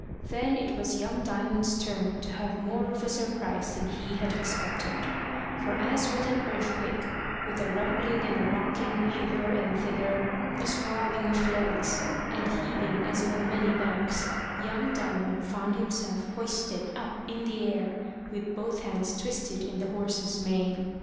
Then it was young Diamond's turn to have more of a surprise than he had expected; for as with an earthquake, with a rumbling and a rocking hither and thither, a sprawling of legs and heaving as of many backs, young Diamond found himself hoisted up in the air, with both hands twisted in the horse's mane.